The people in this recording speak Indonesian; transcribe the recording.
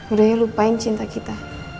udah ya lupain cinta kita